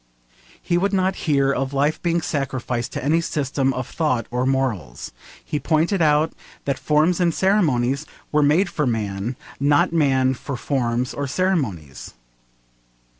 He would not hear of life being sacrificed to any system of thought or morals. He pointed out that forms and ceremonies were made for man, not man for forms and ceremonies.